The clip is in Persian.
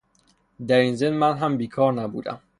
دراین ضمن من هم بیکار نبودم